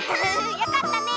よかったね。